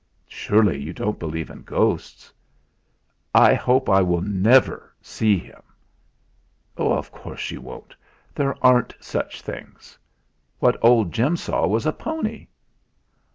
"Surely you don't believe in ghosts?" "I hope I will never see him." "Of course you won't. There aren't such things. What old Jim saw was a pony."